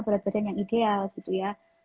berat badan yang ideal gitu ya